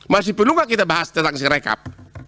masih perlu gak kita bahas tentang si rekap